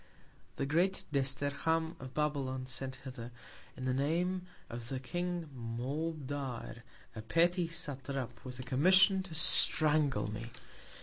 The grand Desterham of Babylon sent hither, in the Name of the King Moabdar, a petty Satrap, with a Commission to strangle me.